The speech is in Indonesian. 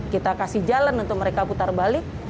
kita kasih jalan untuk mereka putar balik